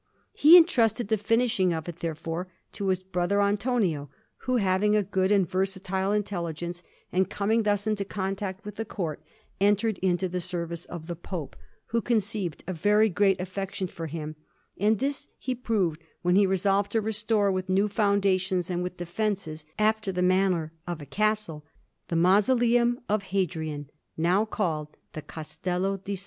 He entrusted the finishing of it, therefore, to his brother Antonio, who, having a good and versatile intelligence, and coming thus into contact with the Court, entered into the service of the Pope, who conceived a very great affection for him; and this he proved when he resolved to restore, with new foundations and with defences after the manner of a castle, the Mausoleum of Hadrian, now called the Castello di S.